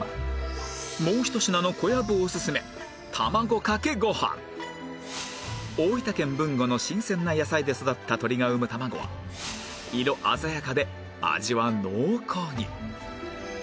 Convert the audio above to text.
もうひと品の大分県豊後の新鮮な野菜で育った鶏が産む卵は色鮮やかで味は濃厚に